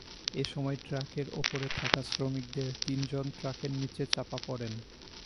এ সময় ট্রাকের ওপরে থাকা শ্রমিকদের তিনজন ট্রাকের নিচে চাপা পড়েন।